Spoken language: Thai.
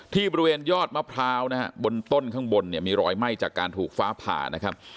ที่บริเวณยอดมะพร้าวนะฮะบนต้นข้างบนเนี่ยมีรอยไหม้จากการถูกฟ้าผ่านะครับ